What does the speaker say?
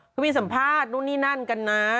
ก็มีสัมภาษณ์นะนี่นั่นกันนะ